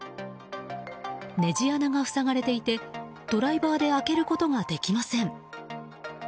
ねじ穴が塞がれていてドライバーで開けることができません。